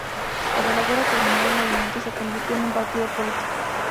Cuando la guerra terminó, el movimiento se convirtió en un partido político.